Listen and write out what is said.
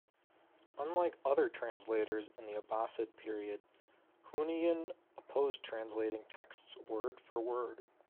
Unlike other translators in the Abbasid period, Hunayn opposed translating texts word for word.